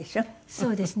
そうですね。